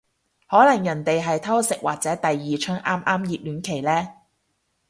可能人哋係偷食或者第二春啱啱熱戀期呢